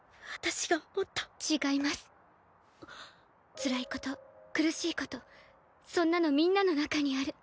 つらいこと苦しいことそんなのみんなの中にある。